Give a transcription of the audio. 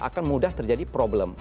akan mudah terjadi problem